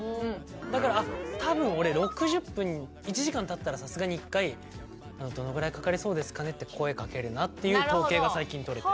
だから多分俺６０分１時間経ったらさすがに一回どのぐらいかかりそうですかねって声かけるなっていう統計が最近取れた。